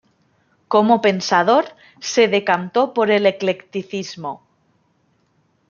Como pensador se decantó por el eclecticismo.